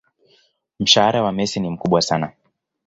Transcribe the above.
mshahara wa Messi ni mkubwa sana